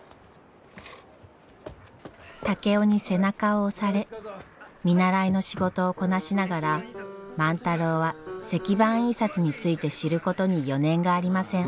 竹雄に背中を押され見習いの仕事をこなしながら万太郎は石版印刷について知ることに余念がありません。